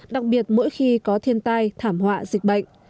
đặc biệt mỗi khi có thiên tai thảm họa dịch bệnh